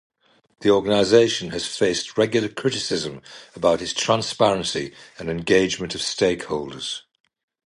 The organization has faced regular criticism about its transparency and engagement of stakeholders.